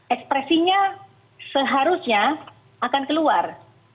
ekspresinya seharusnya akan keluar